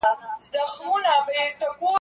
پانګوالو په نوې ټکنالوژۍ کي پانګونه وکړه.